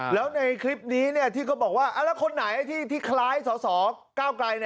แล้วในคลิปนี้ที่เขาบอกว่าแล้วคนไหนที่คล้ายสอสอก้าวไกล